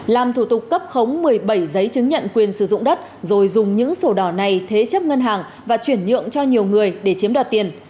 làm thủ tục cấp khống một mươi bảy giấy chứng nhận quyền sử dụng đất rồi dùng những sổ đỏ này thế chấp ngân hàng và chuyển nhượng cho nhiều người để chiếm đoạt tiền